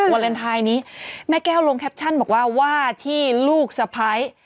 วาเลนไทยนี้แม่แก้วลงแคปชั่นบอกว่าว่าที่ลูกสะพ้าย